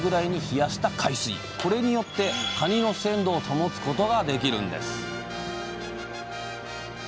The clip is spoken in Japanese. これによってかにの鮮度を保つことができるんです